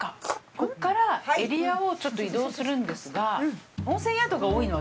こっからエリアをちょっと移動するんですが。